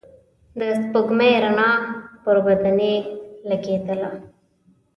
د سپوږمۍ رڼا پر بدنې لګېدله.